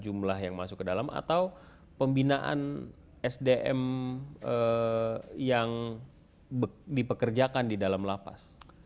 jumlah yang masuk ke dalam atau pembinaan sdm yang dipekerjakan di dalam lapas